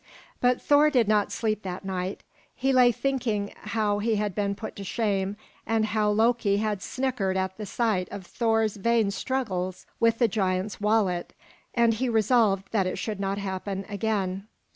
But Thor did not sleep that night. He lay thinking how he had been put to shame, and how Loki had snickered at the sight of Thor's vain struggles with the giant's wallet, and he resolved that it should not happen again.